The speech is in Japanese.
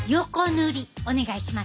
塗りお願いします。